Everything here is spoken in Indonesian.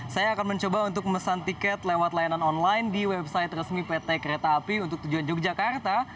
saya akan mencoba untuk memesan tiket lewat layanan online di website resmi pt kereta api untuk tujuan yogyakarta